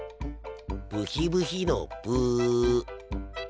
ブヒブヒのブ。